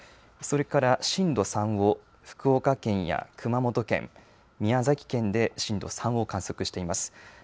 それから、震度３を福岡県や熊本県、宮崎県で、震度３を観測しています。